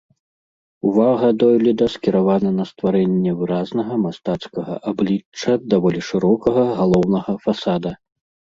Увага дойліда скіравана на стварэнне выразнага мастацкага аблічча даволі шырокага галоўнага фасада.